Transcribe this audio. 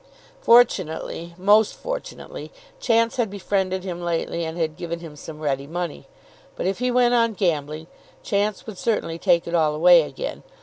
Fortunately, most fortunately, Chance had befriended him lately and had given him some ready money. But if he went on gambling Chance would certainly take it all away again.